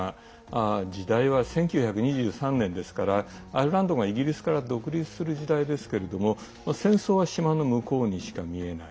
時代は１９２３年ですからアイルランドがイギリスから独立する時代ですけれども戦争は島の向こうにしか見えない。